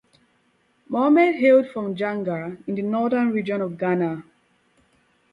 Mohammed hailed from Janga in the Northern Region of Ghana.